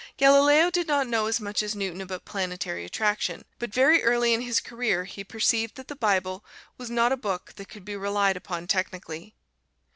Galileo did not know as much as Newton about planetary attraction, but very early in his career he perceived that the Bible was not a book that could be relied upon technically.